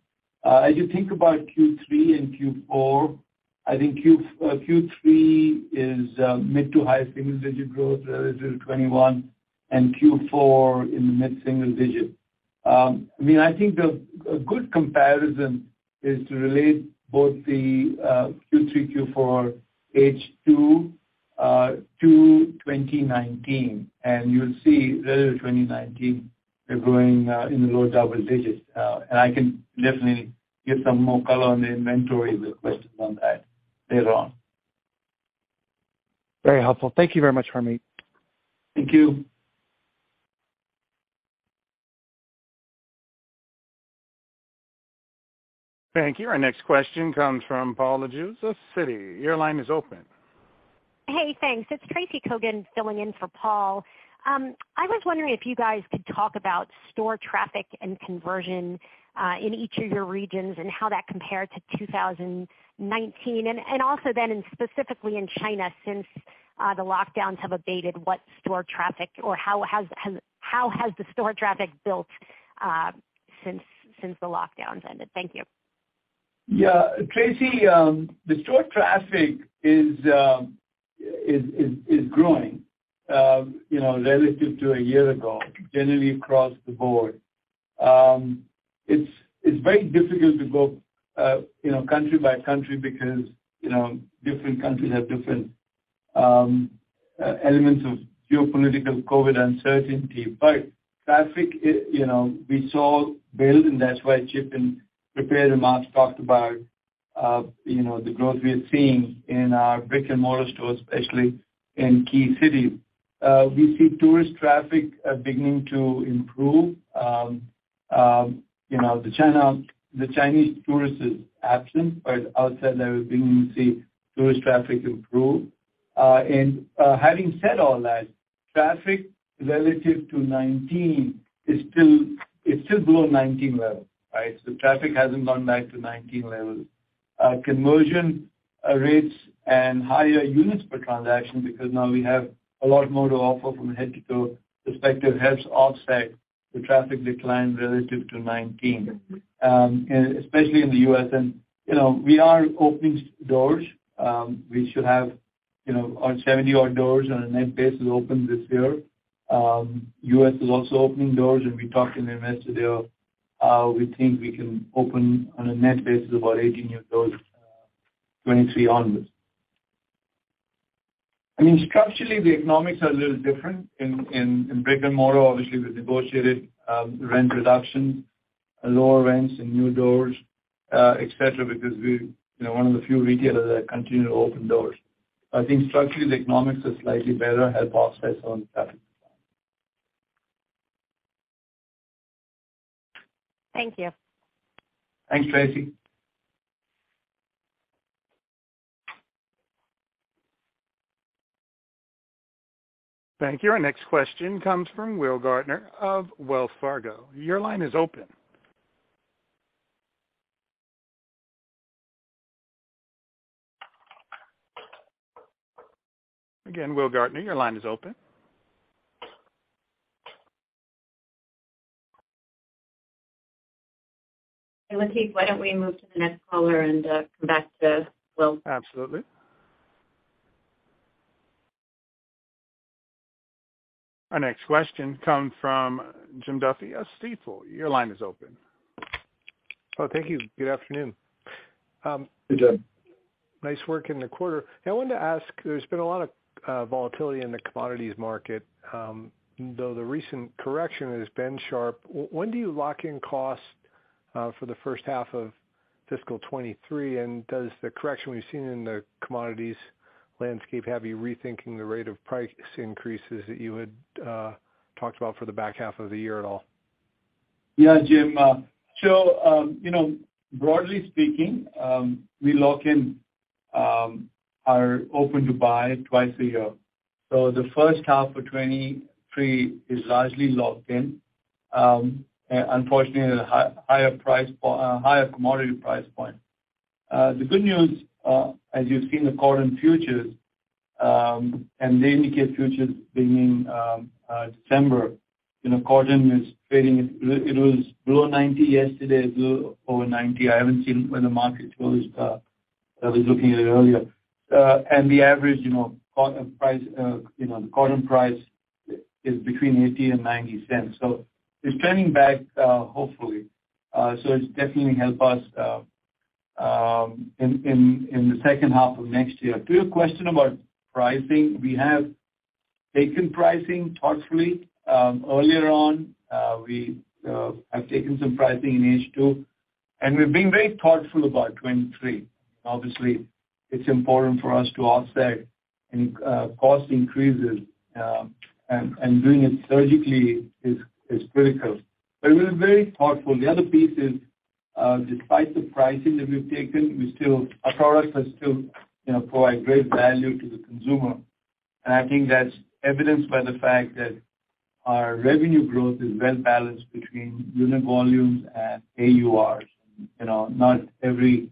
As you think about Q3 and Q4, I think Q3 is mid- to high-single-digit growth relative to 2021, and Q4 in the mid-single-digit. I mean, I think a good comparison is to relate both the Q3, Q4 H2 to 2019, and you'll see relative to 2019, we're growing in the low double digits. I can definitely give some more color on the inventory request on that later on. Very helpful. Thank you very much, Harmit. Thank you. Thank you. Our next question comes from Paul Lejuez, Citi. Your line is open. Hey, thanks. It's Tracy Kogan filling in for Paul. I was wondering if you guys could talk about store traffic and conversion in each of your regions and how that compared to 2019. Also then specifically in China since the lockdowns have abated, what store traffic or how has the store traffic built since the lockdowns ended? Thank you. Yeah. Tracy, the store traffic is growing, relative to a year ago, generally across the board. It's very difficult to go, country by country because, different countries have different elements of geopolitical COVID uncertainty. But traffic, we saw build, and that's why Chip in prepared remarks talked about, the growth we are seeing in our brick-and-mortar stores, especially in key cities. We see tourist traffic beginning to improve. The Chinese tourists is absent, but outside that we're beginning to see tourist traffic improve. Having said all that, traffic relative to 2019 is still below 2019 levels, right? Traffic hasn't gone back to 2019 levels. Conversion rates and higher units per transaction because now we have a lot more to offer from a head-to-toe perspective helps offset the traffic decline relative to 2019. Especially in the U.S. We are opening stores. We should have, you know, 70-odd stores on a net basis open this year. U.S. is also opening stores, and we talked in Investor Day today of how we think we can open on a net basis about 18 new stores, 2023 onwards. I mean, structurally, the economics are a little different in brick and mortar. Obviously, we've negotiated rent reduction, lower rents in new stores, et cetera, because we're one of the few retailers that continue to open doors. I think structurally the economics are slightly better, help offset some traffic. Thank you. Thanks, Tracy. Thank you. Our next question comes from Will Gardner of Wells Fargo. Your line is open. Again, Will Gardner, your line is open. Hey, Lateef, why don't we move to the next caller and come back to Will? Absolutely. Our next question comes from Jim Duffy of Stifel. Your line is open. Oh, thank you. Good afternoon. Hey, Jim. Nice work in the quarter. I wanted to ask, there's been a lot of volatility in the commodities market, though the recent correction has been sharp. When do you lock in costs for the first half of fiscal 2023, and does the correction we've seen in the commodities landscape have you rethinking the rate of price increases that you had talked about for the back half of the year at all? Yeah, Jim. BRoadly speaking, we lock in our open-to-buy twice a year. The first half of 2023 is largely locked in, unfortunately at a higher commodity price point. The good news, as you've seen the cotton futures, and the indicated futures beginning December. Cotton is trading, it was below $0.90 yesterday, it's a little over $0.90. I haven't seen when the market closed, I was looking at it earlier. The average cotton price is between $0.80 and $0.90. It's trending back, hopefully. It's definitely help us in the second half of next year. To your question about pricing, we have taken pricing thoughtfully. Earlier on, we have taken some pricing in H2, and we've been very thoughtful about 2023. Obviously, it's important for us to offset any cost increases, and doing it surgically is critical. We're very thoughtful. The other piece is, despite the pricing that we've taken, we still our products are still, you know, provide great value to the consumer. I think that's evidenced by the fact that our revenue growth is well balanced between unit volumes and AURs. You know, not every,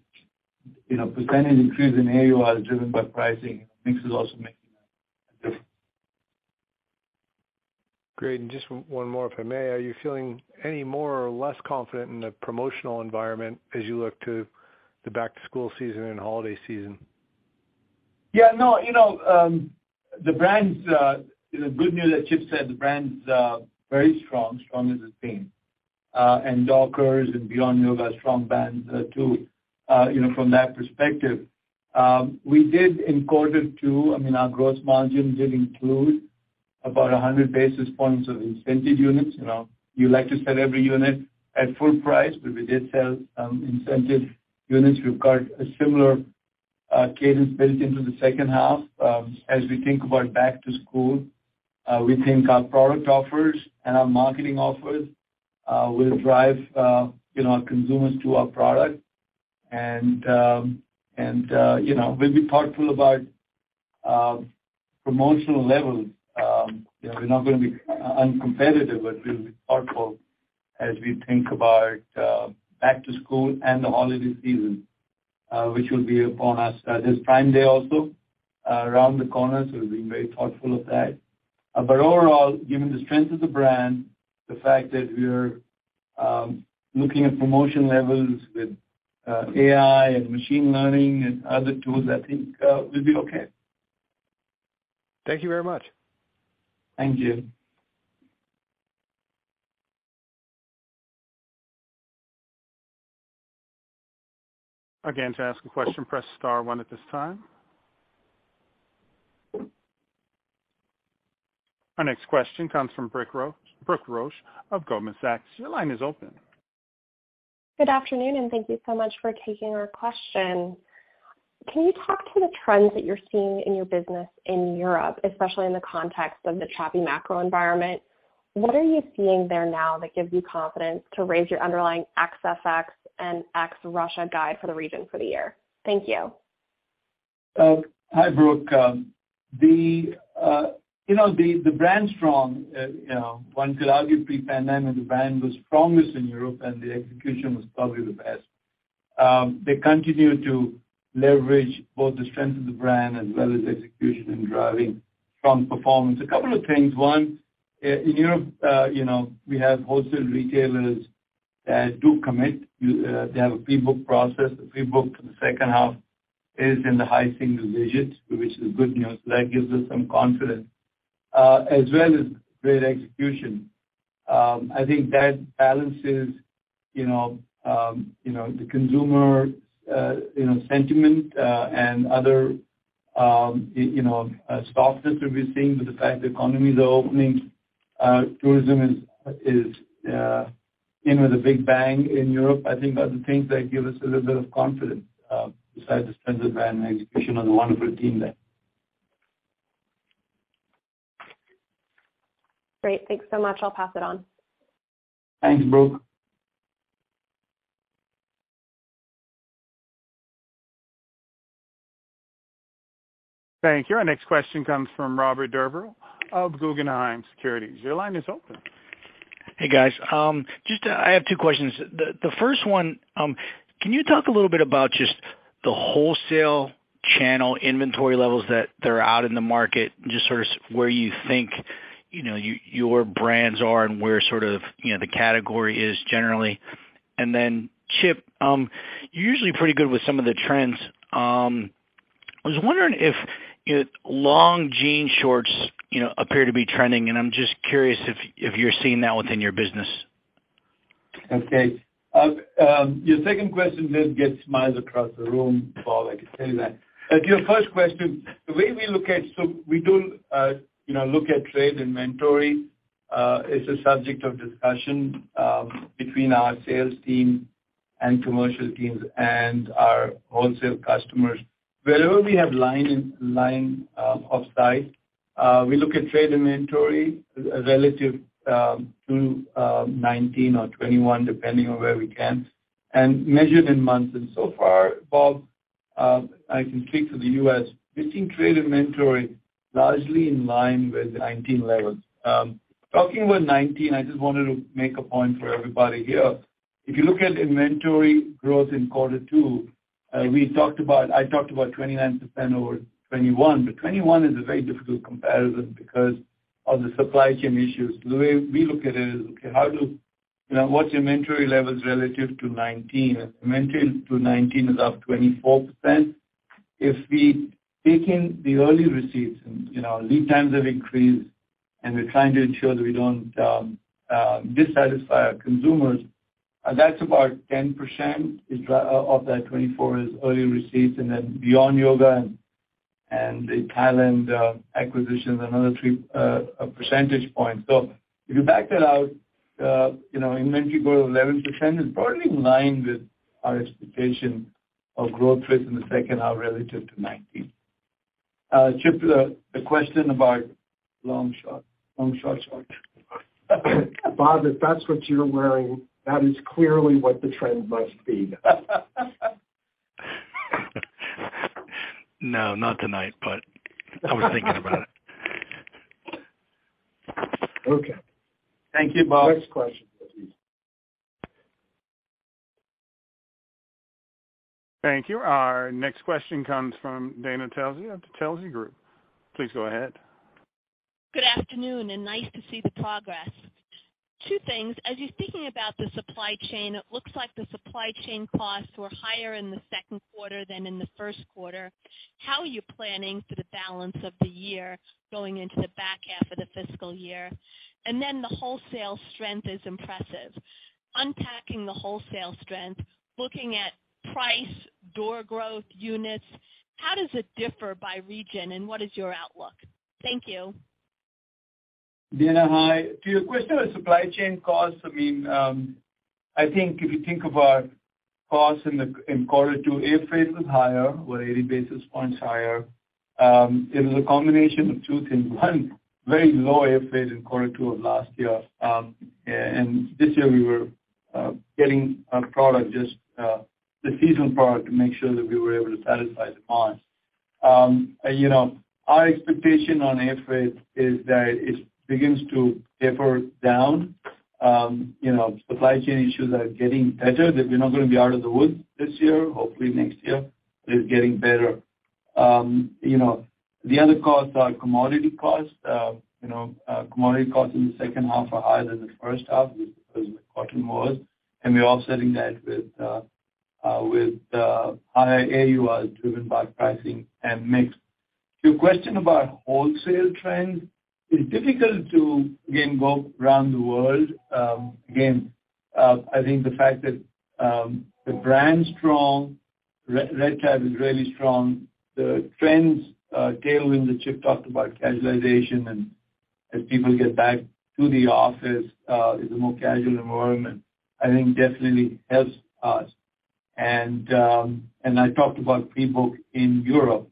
you know, percentage increase in AUR is driven by pricing. Mix is also making a difference. Great. Just one more, if I may. Are you feeling any more or less confident in the promotional environment as you look to the back to school season and holiday season? Yeah, no, the brands, you know, good news that Chip said, the brands are very strong as a theme. Dockers and Beyond Yoga are strong brands, too, from that perspective. We did in quarter two, I mean, our gross margins did include about 100 basis points of incentive units. You like to sell every unit at full price, but we did sell some incentive units. We've got a similar cadence built into the second half. As we think about back to school, we think our product offers and our marketing offers will drive consumers to our product. We'll be thoughtful about promotional levels. We're not gonna be uncompetitive, but we'll be thoughtful as we think about back to school and the holiday season, which will be upon us. It is Prime Day also around the corner, so we're being very thoughtful of that. Overall, given the strength of the brand, the fact that we're looking at promotion levels with AI and machine learning and other tools, I think we'll be okay. Thank you very much. Thank you. Again, to ask a question, press star one at this time. Our next question comes from Brooke Roach of Goldman Sachs. Your line is open. Good afternoon, and thank you so much for taking our question. Can you talk to the trends that you're seeing in your business in Europe, especially in the context of the choppy macro environment? What are you seeing there now that gives you confidence to raise your underlying ex FX and ex Russia guide for the region for the year? Thank you. Hi, Brooke. You know, the brand's strong. One could argue pre-pandemic, the brand was strongest in Europe and the execution was probably the best. They continue to leverage both the strength of the brand as well as execution in driving strong performance. A couple of things. One, in Europe, we have wholesale retailers that do commit. They have a pre-book process. The pre-book for the second half is in the high single digits, which is good news. That gives us some confidence, as well as great execution. I think that balances the consumer sentiment, and other softness that we're seeing with the fact the economies are opening. Tourism is in with a big bang in Europe. I think are the things that give us a little bit of confidence, besides the strength of brand and execution and the wonderful team there. Great. Thanks so much. I'll pass it on. Thanks, Brooke. Thank you. Our next question comes from Robert Drbul of Guggenheim Securities. Your line is open. Hey, guys. Just, I have two questions. The first one, can you talk a little bit about just the wholesale channel inventory levels that are out in the market, just sort of where you think your brands are and where sort of the category is generally. Then, Chip, you're usually pretty good with some of the trends. I was wondering if long jean shorts, appear to be trending, and I'm just curious if you're seeing that within your business. Okay. Your second question did get smiles across the room, Bob, I can tell you that. Your first question, the way we look at. We don't look at trade inventory. It's a subject of discussion between our sales team and commercial teams and our wholesale customers. Wherever we have line of sight, we look at trade inventory relative to 2019 or 2021, depending on where we can, and measured in months. So far, Bob, I can speak for the U.S., we've seen trade inventory largely in line with the 2019 levels. Talking about 2019, I just wanted to make a point for everybody here. If you look at inventory growth in quarter two, I talked about 29% over 2021, but 2021 is a very difficult comparison because of the supply chain issues. The way we look at it is, you know, what's inventory levels relative to 2019? Inventory to 2019 is up 24%. If we take in the early receipts and, lead times have increased, and we're trying to ensure that we don't dissatisfy our consumers, that's about 10% of that 24% is early receipts and then Beyond Yoga and the Thailand acquisition, another 3 percentage points. If you back that out, inventory growth of 11% is broadly in line with our expectation of growth rates in the second half relative to 2019. Chip, the question about long short shorts? Bob, if that's what you're wearing, that is clearly what the trend must be. No, not tonight, but I was thinking about it. Okay. Thank you, Bob. Next question, please. Thank you. Our next question comes from Dana Telsey of Telsey Advisory Group. Please go ahead. Good afternoon, and nice to see the progress. Two things. As you're speaking about the supply chain, it looks like the supply chain costs were higher in the second quarter than in the first quarter. How are you planning for the balance of the year going into the back half of the fiscal year? The wholesale strength is impressive. Unpacking the wholesale strength, looking at price, door growth, units, how does it differ by region, and what is your outlook? Thank you. Dana, hi. To your question on supply chain costs, I mean, I think if you think about costs in quarter two, air freight was higher or 80 basis points higher. It was a combination of two things. One, very low air freight in quarter two of last year. This year we were getting our product just the seasonal product to make sure that we were able to satisfy demand. You know, our expectation on air freight is that it begins to taper down. You know, supply chain issues are getting better. That we're not gonna be out of the woods this year, hopefully next year. It is getting better. You know, the other costs are commodity costs. Commodity costs in the second half are higher than the first half just because of the cotton wars. We're offsetting that with higher AURs driven by pricing and mix. To your question about wholesale trends, it's difficult to, again, go around the world. I think the fact that the brand's strong. Red Tab is really strong. The trends, tailwind that Chip talked about, casualization, and as people get back to the office, is a more casual environment, I think definitely helps us. I talked about pre-book in Europe,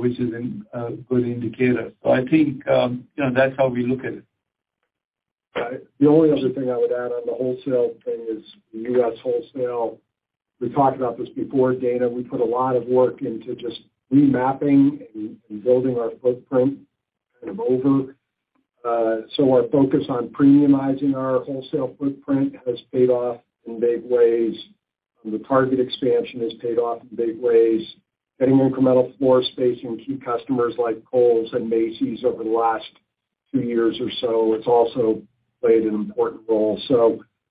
which is a good indicator. I think that's how we look at it. The only other thing I would add on the wholesale thing is the U.S. wholesale. We talked about this before, Dana. We put a lot of work into just remapping and building our footprint. Our focus on premiumizing our wholesale footprint has paid off in big ways. The Target expansion has paid off in big ways. Getting incremental floor space in key customers like Kohl's and Macy's over the last two years or so, it's also played an important role.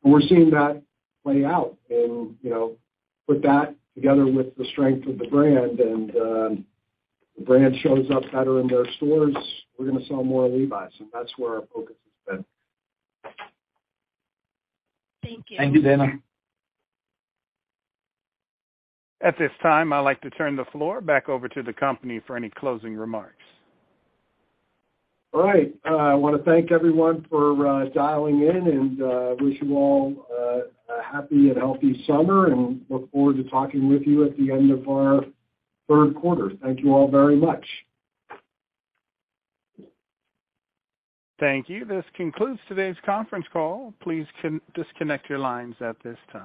We're seeing that play out. Put that together with the strength of the brand and the brand shows up better in their stores, we're gonna sell more Levi's, and that's where our focus has been. Thank you. Thank you, Dana. At this time, I'd like to turn the floor back over to the company for any closing remarks. All right. I wanna thank everyone for dialing in and wish you all a happy and healthy summer, and look forward to talking with you at the end of our third quarter. Thank you all very much. Thank you. This concludes today's conference call. Please disconnect your lines at this time.